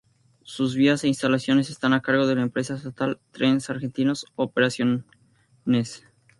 Sus vías e instalaciones están a cargo de la empresa estatal Trenes Argentinos Operaciones.